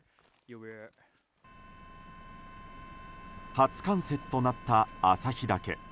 初冠雪となった旭岳。